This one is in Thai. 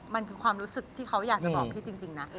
มันคือความรู้สึกที่เขาอยากจะบอกพี่จริงนะ